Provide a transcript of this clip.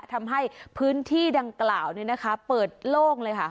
ทำให้พื้นที่ดังกล่าวเปิดโล่งเลยค่ะ